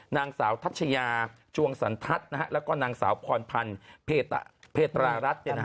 นางสาวทัชยาจวงสันทัศน์แล้วก็นางสาวพรพันธ์เพตรารัฐ